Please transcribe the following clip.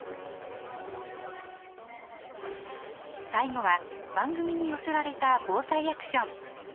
最後は番組に寄せられた「ＢＯＳＡＩアクション」。